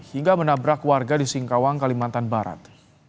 hingga menabrak warga di singkawang kalimantan barat